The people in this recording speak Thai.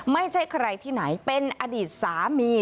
ไม่ใช่ใครที่ไหนเป็นอดีตสามี